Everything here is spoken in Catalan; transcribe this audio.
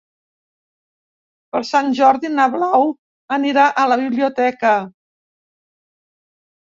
Per Sant Jordi na Blau anirà a la biblioteca.